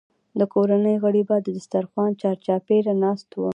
د کورنۍ غړي به د دسترخوان چارچاپېره ناست وو.